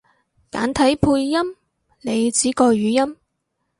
簡體配音？你指個語音？